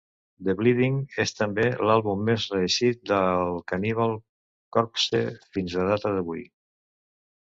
"The Bleeding" és també l'àlbum més reeixit de Cannibal Corpse fins a data d'avui.